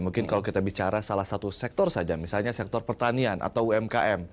mungkin kalau kita bicara salah satu sektor saja misalnya sektor pertanian atau umkm